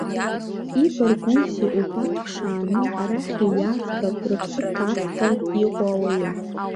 Ибаргәузеи, убарҭ ԥшааны арахь иҩазгартә, рыԥсы ҭазҵартә иҟоу ауаҩы!